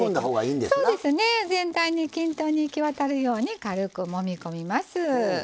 全体に均等に行き渡るように軽くもみ込みます。